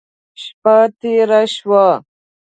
شپه تېره شوه.